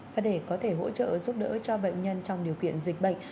và để có thể hỗ trợ giúp đỡ cho bệnh nhân trong điều kiện dịch bệnh